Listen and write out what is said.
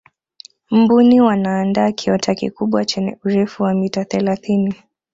mbuni wanaandaa kiota kikubwa chenye urefu wa mita thelathini